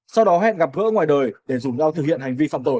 sau đó hẹn gặp gỡ ngoài đời để rủ nhau thực hiện hành vi phạm tội